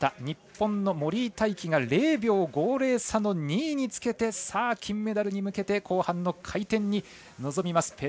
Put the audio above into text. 日本の森井大輝が０秒５０差の２位につけて金メダルに向けて、後半の回転に臨みます。